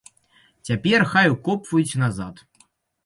Цяпер хай укопваюць назад!